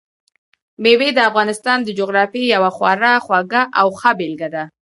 مېوې د افغانستان د جغرافیې یوه خورا غوره او ښه بېلګه ده.